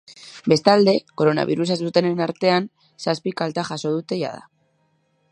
Bestalde, koronabirusa zutenen artean, zazpik alta jaso dute jada.